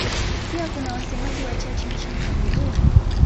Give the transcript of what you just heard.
Pia kuna wasemaji wachache nchini Kamerun.